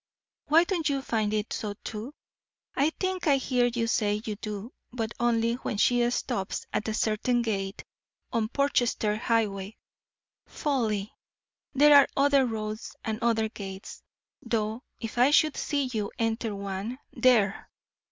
Why don't you find it so too? I think I hear you say you do, but only when she stops at a certain gate on Portchester highway. Folly! there are other roads and other gates, though if I should see you enter one There!